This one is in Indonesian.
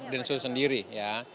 densus sendiri ya